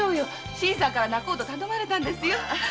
新さんから仲人を頼まれたんですよ。